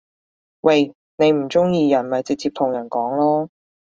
喂！你唔中意人咪直接同人講囉